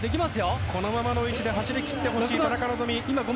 このままの位置で走り切ってほしい田中希実。